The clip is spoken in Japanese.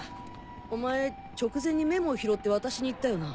お前直前にメモを拾って渡しに行ったよな？